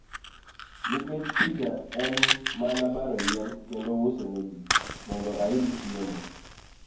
Nikech tija en mana baro yien kendo uso ne ji, mondo ayud chiemo.